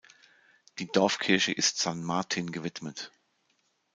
Die Dorfkirche ist San Martin gewidmet.